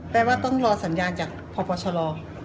แปลว่าต้องรอสัญญาณจากพปชล